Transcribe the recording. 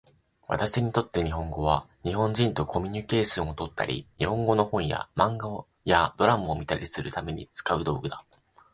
私にとって日本語は、日本人とコミュニケーションをとったり、日本語の本や漫画やドラマを見たりするために使う道具だ。